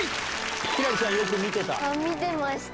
輝星ちゃんよく見てた？